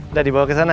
udah dibawa ke sana